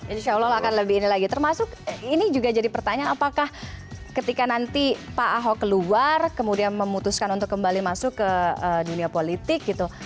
insya allah akan lebih ini lagi termasuk ini juga jadi pertanyaan apakah ketika nanti pak ahok keluar kemudian memutuskan untuk kembali masuk ke dunia politik gitu